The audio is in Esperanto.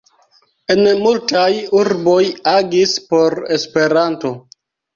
En multaj urboj agis por Esperanto.